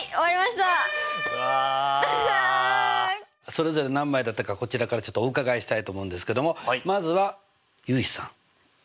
それぞれ何枚だったかこちらからお伺いしたいと思うんですけどもまずは結衣さん。